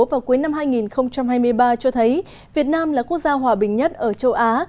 vào cuối năm hai nghìn hai mươi ba cho thấy việt nam là quốc gia hòa bình nhất ở châu á